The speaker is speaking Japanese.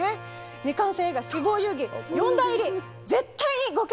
未完成映画「死亡遊戯」四大入り絶対にご検討下さい！